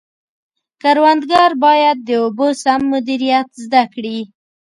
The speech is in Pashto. کروندګر باید د اوبو سم مدیریت زده کړي.